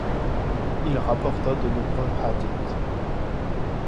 Il rapporta de nombreux ḥadīth.